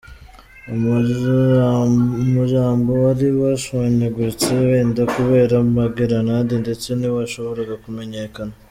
Umirambo wari washwanyaguitse, wenda kubera amagerenade ndetse ntiwashoboraga kumenyakana.